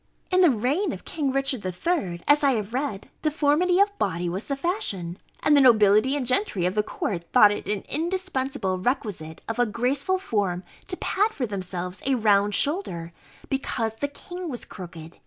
In the reign of King Richard III, as I have read, deformity of body was the fashion, and the nobility and gentry of the court thought it an indispensable requisite of a graceful form to pad for themselves a round shoulder, because the king was crooked.